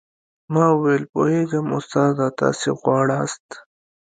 ما وويل پوهېږم استاده تاسې غواړاست.